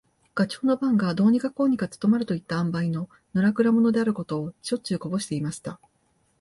ガチョウの番がどうにかこうにか務まるといった塩梅の、のらくら者であることを、しょっちゅうこぼしていました。